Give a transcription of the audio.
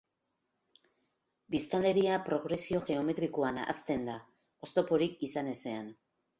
Biztanleria progresio geometrikoan hazten da, oztoporik izan ezean.